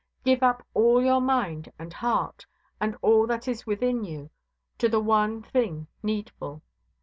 Give up all your mind and heart, and all that is within you, to the one thing needful.